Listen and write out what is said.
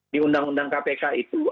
di undang undang kpk itu